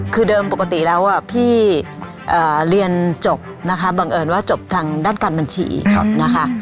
คือเดิมปกติแล้วพี่เรียนจบนะคะบังเอิญว่าจบทางด้านการบัญชีนะคะ